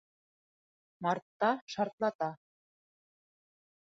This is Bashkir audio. Мартта шартлата.